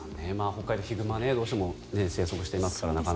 北海道はヒグマがどうしても生息していますから。